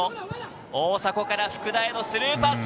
大迫から福田へのスルーパス。